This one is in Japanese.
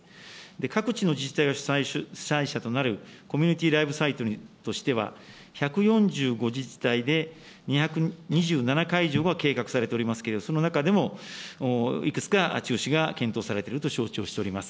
各地の自治体が主催者となるコミュニティライブサイトとしては１４５自治体で２２７会場が計画されておりますけれども、その中でもいくつか中止が検討されていると承知をしております。